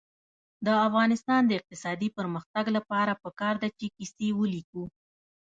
د افغانستان د اقتصادي پرمختګ لپاره پکار ده چې کیسې ولیکو.